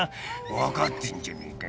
分かってんじゃねえか